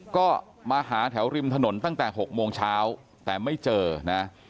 ก็มาหาแถวริมถนนตั้งแต่๖โมงเช้าแต่ไม่เจอนะ